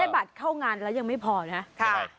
ได้บัตรเข้างานแล้วยังไม่พอน่ะ